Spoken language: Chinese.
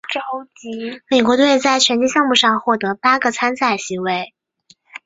美国队在拳击项目上获得八个参赛席位。